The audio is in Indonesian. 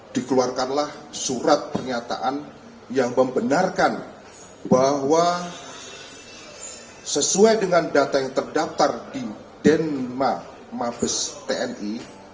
dikeluarkanlah surat pernyataan yang membenarkan bahwa sesuai dengan data yang terdaftar di den lima mabes tni